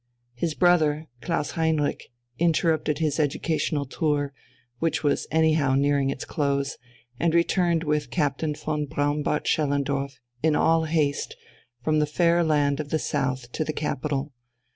His brother, Klaus Heinrich, interrupted his educational tour, which was anyhow nearing its close, and returned with Captain von Braunbart Schellendorf in all haste from the fair land of the South to the capital.